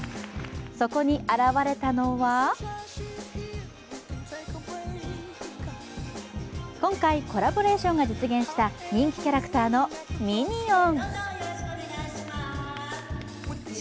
そこに現れたのは今回コラボレーションが実現した人気キャラクターのミニオン。